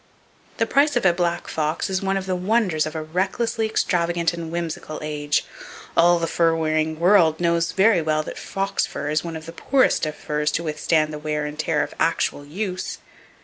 The price of a black fox is one of the wonders of a recklessly extravagant and whimsical age. All the fur wearing world knows very well [Page 375] that fox fur is one of the poorest of furs to withstand the wear and tear of actual use.